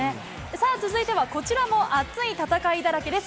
さあ、こちらも熱い戦いだらけです。